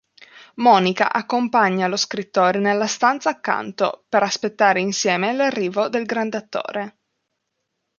Monica accompagna lo scrittore nella stanza accanto, per aspettare insieme l'arrivo del grande attore.